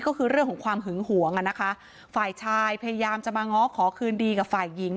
ก็คือเรื่องของความหึงหวงอ่ะนะคะฝ่ายชายพยายามจะมาง้อขอคืนดีกับฝ่ายหญิง